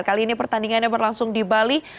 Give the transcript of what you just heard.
kali ini pertandingannya berlangsung di bali